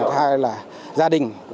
hay là gia đình